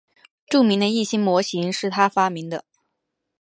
著名的易辛模型是他发明的。